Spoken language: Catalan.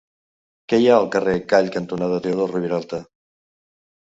Què hi ha al carrer Call cantonada Teodor Roviralta?